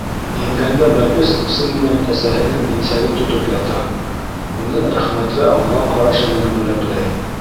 Имгәндә бәпес усы менән әсәһенең имсәген тотоп ята, уны рәхмәтле аңлаған ҡарашы менән бүләкләй.